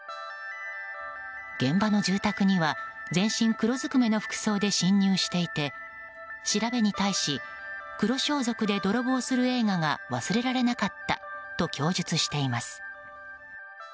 現場の住宅には全身黒ずくめの服装で侵入していて調べに対し黒装束で泥棒する映画が忘れられなかったと供述しています。